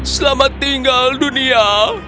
selamat tinggal dunia